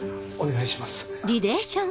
お願いします。